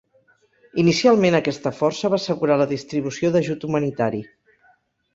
Inicialment aquesta força va assegurar la distribució d'ajut humanitari.